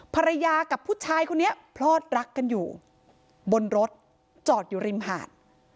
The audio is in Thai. ภรรยากับผู้ชายคนนี้พลอดรักกันอยู่บนรถจอดอยู่ริมหาด